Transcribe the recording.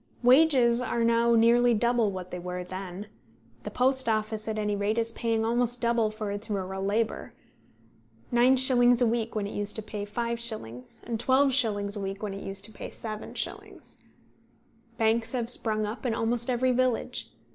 Wages are now nearly double what they were then. The Post Office at any rate is paying almost double for its rural labour, 9s. a week when it used to pay 5s., and 12s. a week when it used to pay 7s. Banks have sprung up in almost every village.